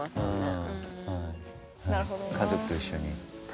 家族と一緒に。